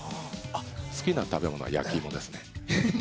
好きな食べ物は焼き芋ですね。